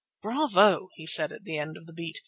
"Bravo!" he said at the end of the beat.